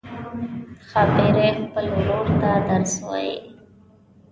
ښاپیرۍ خپل ورور ته درس وايي.